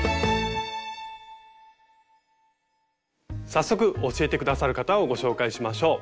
早速教えて下さる方をご紹介しましょう。